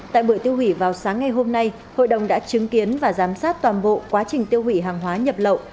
tại buổi tiêu hủy vào sáng ngày hôm nay hội đồng đã chứng kiến và giám sát toàn bộ quá trình tiêu hủy hàng hóa nhập lậu